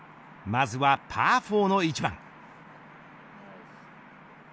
まずはパー４の１番。